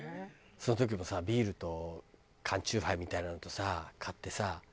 その時もさビールと缶チューハイみたいなのとさ買ってさ。